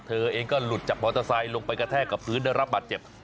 เธอเองก็หลุดจากมอเตอร์ไซค์ลงไปกระแทกกับพื้นได้รับบาดเจ็บ